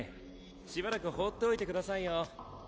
しばらく放っておいてくださいよ。